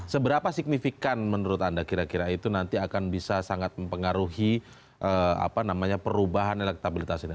seberapa signifikan menurut anda kira kira itu nanti akan bisa sangat mempengaruhi perubahan elektabilitas ini